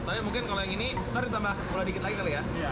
tapi mungkin kalau yang ini harus ditambah mulai sedikit lagi kali ya